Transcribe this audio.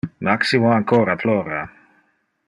Maximo ancora plora.